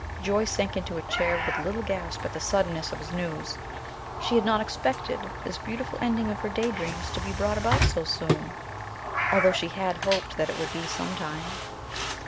Joyce sank into a chair with a little gasp at the suddenness of his news. She had not expected this beautiful ending of her day dreams to be brought about so soon, although she had hoped that it would be sometime.